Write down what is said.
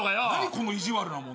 この意地悪な問題。